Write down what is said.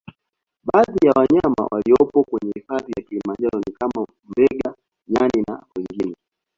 Baadhi ya wanyama waliopo kwenye hifadhi ya kilimanjaro ni kama Mbega nyani na wengine